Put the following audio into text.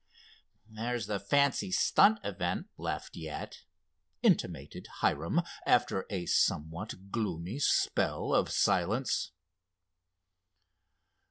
"There's the fancy stunt event left yet," intimated Hiram after a somewhat gloomy spell of silence.